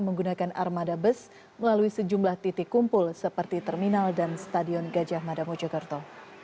menggunakan armada bus melalui sejumlah titik kumpul seperti terminal dan stadion gajah mada mojokerto